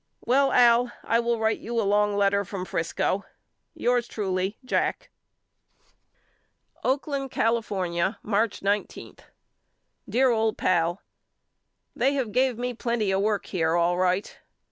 Well Al I will write you a long letter from Frisco. Yours truly, JACK. A RUSHER'S LETTERS HOME 23 Oakland, California, March 19. DEAR OLD PAL: They have gave me plenty of work here all right.